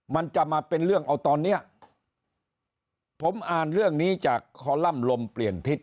มันจะมาเป็นเรื่องเอาตอนเนี้ยผมอ่านเรื่องนี้จากคอลัมป์ลมเปลี่ยนทิศ